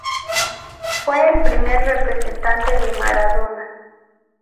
Fue el primer representante de Maradona.